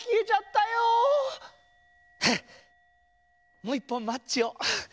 もう１ぽんマッチを。